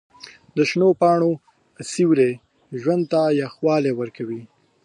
د شنو پاڼو سیوري ژوند ته یخوالی ورکوي.